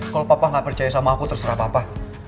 kalo papa gak percaya sama aku terserah papa